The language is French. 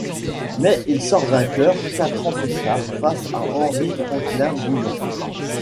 Mais il sort vainqueur quatre ans plus tard face à Henry Franklin-Bouillon.